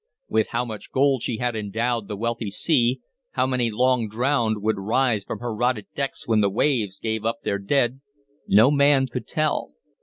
With how much gold she had endowed the wealthy sea, how many long drowned would rise from her rotted decks when the waves gave up their dead, no man could tell.